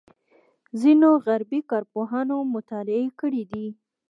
ځینو غربي کارپوهانو مطالعې کړې دي.